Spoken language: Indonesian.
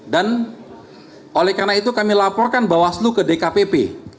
dan oleh karena itu kami laporkan bawaslu ke dkpp